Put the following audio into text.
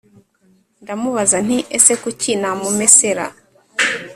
ndamubaza nti: ese kuki namumesera